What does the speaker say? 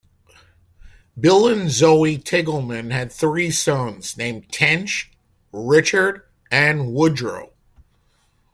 Bill and Zoe Tilghman had three sons named Tench, Richard, and Woodrow.